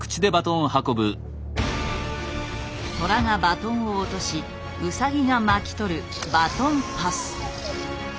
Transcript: トラがバトンを落としウサギが巻き取るバトンパス。